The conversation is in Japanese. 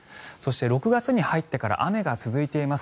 ６月に入ってから雨が続いています。